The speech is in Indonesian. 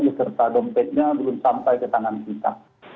beserta dompetnya belum sampai ke tangan kita